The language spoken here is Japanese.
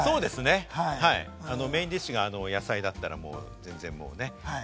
メインディッシュが野菜だったらもうね！